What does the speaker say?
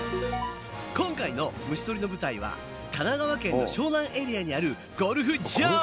今回の虫とりの舞台は神奈川県の湘南エリアにあるゴルフ場！